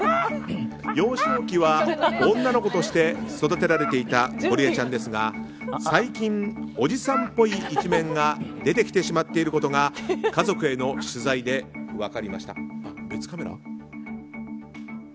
幼少期は女の子として育てられていたゴリエちゃんですが最近、おじさんっぽい一面が出てきてしまっていることが家族への取材で分かりました。